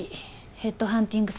ヘッドハンティング